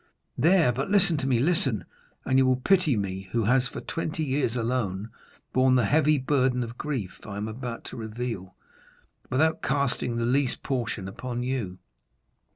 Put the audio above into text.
"There! But listen to me—listen—and you will pity me who has for twenty years alone borne the heavy burden of grief I am about to reveal, without casting the least portion upon you."